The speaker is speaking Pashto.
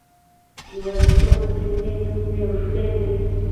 هېواد د کور له کلمې هم نږدې دی.